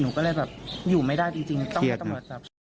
ก็เลยแบบอยู่ไม่ได้จริงต้องให้ตำรวจจับ